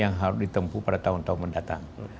yang harus ditempu pada tahun tahun mendatang